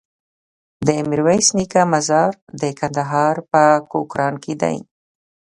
د ميرويس نيکه مزار د کندهار په کوکران کی دی